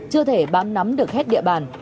chưa thể bám nắm được hết địa bàn